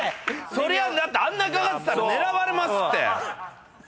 そりゃあんなかかってたら狙われますって。